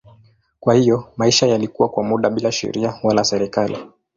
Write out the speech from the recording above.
Kwa hiyo maisha yalikuwa kwa muda bila sheria wala serikali.